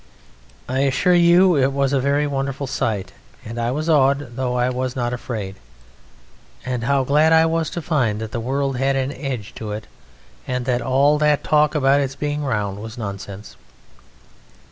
"I assure you it was a very wonderful sight, and I was awed though I was not afraid. And how glad I was to find that the world had an edge to it, and that all that talk about its being round was nonsense!